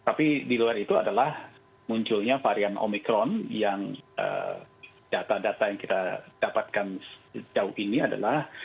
tapi di luar itu adalah munculnya varian omikron yang data data yang kita dapatkan sejauh ini adalah